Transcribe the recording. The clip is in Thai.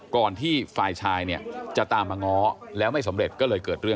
ขนาดที่นายประสิทธิ์